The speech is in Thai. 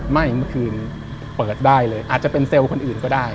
เมื่อคืนเปิดได้เลยอาจจะเป็นเซลล์คนอื่นก็ได้